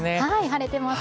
晴れてます。